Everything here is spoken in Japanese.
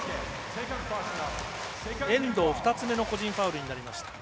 遠藤、２つ目の個人ファウルとなりました。